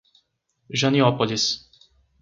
Janiópolis